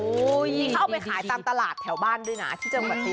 โอ้โฮนี่เข้าไปขายตามตลาดแถวบ้านด้วยนะที่เจมส์ประเทศ